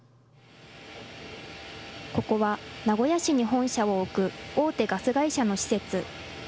ここは、名古屋市に本社を置く大手ガス会社の施設。